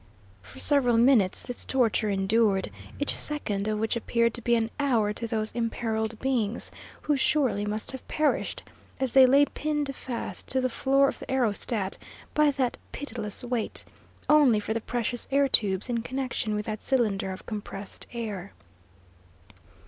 For several minutes this torture endured, each second of which appeared to be an hour to those imperilled beings, who surely must have perished, as they lay pinned fast to the floor of the aerostat by that pitiless weight, only for the precious air tubes in connection with that cylinder of compressed air.